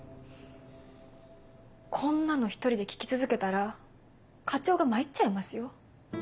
こんなの１人で聞き続けたら課長が参っちゃいますよ。